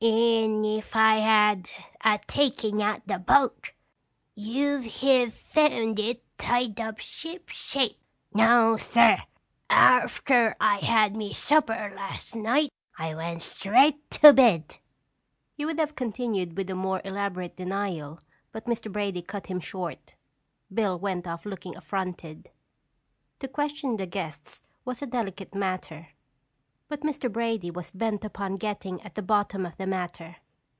An' if I had a taken out the boat, you'd heve found it tied up ship shape. No, sir, arfter I had me supper last night, I went straight to bed." He would have continued with a more elaborate denial but Mr. Brady cut him short. Bill went off looking affronted. To question the guests was a delicate matter, but Mr. Brady was bent upon getting at the bottom of the matter.